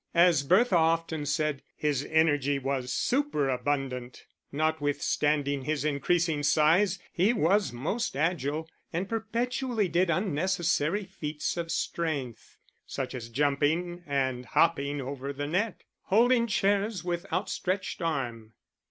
As Bertha often said, his energy was superabundant. Notwithstanding his increasing size he was most agile, and perpetually did unnecessary feats of strength, such as jumping and hopping over the net, holding chairs with outstretched arm.